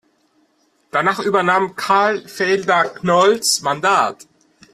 Danach übernahm Karl Felder Knolls Mandat.